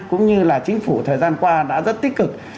cũng như là chính phủ thời gian qua đã rất tích cực